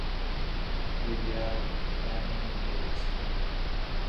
وریا بە با نەبینرێیت.